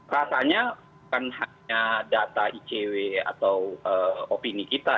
rasanya bukan hanya data icw atau opini kita